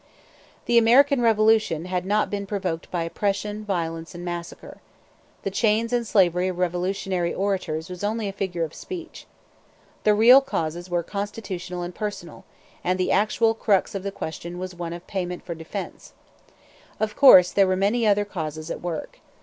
The American Revolution had not been provoked by oppression, violence, and massacre. The 'chains and slavery' of revolutionary orators was only a figure of speech. The real causes were constitutional and personal; and the actual crux of the question was one of payment for defence. Of course there were many other causes at work.